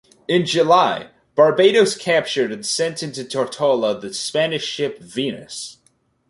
In July "Barbadoes" captured and sent into Tortola the Spanish ship "Venus".